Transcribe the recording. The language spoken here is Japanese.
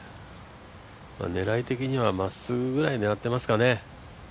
狙い的にはまっすぐぐらいを狙ってますかね。